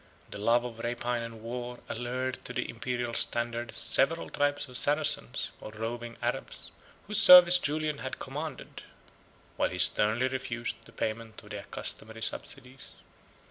The love of rapine and war allured to the Imperial standard several tribes of Saracens, or roving Arabs, whose service Julian had commanded, while he sternly refused the payment of the accustomed subsidies.